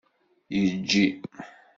Yejji.